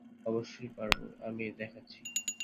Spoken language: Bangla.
অবশ্যই পারব, আমি দেখাচ্ছি।